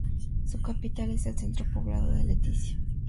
Su capital es el centro poblado de Leticia.